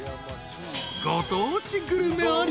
［ご当地グルメあり］